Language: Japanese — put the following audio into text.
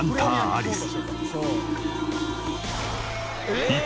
アリス。